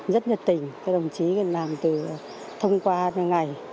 rất nhiệt tình các đồng chí làm từ thông qua từng ngày